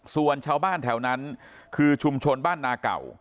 ส่วนชาวบ้านแถวนั้นคือชุมชนบ้านนาเก่า